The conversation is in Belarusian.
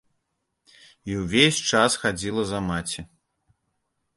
І ўвесь час хадзіла за маці.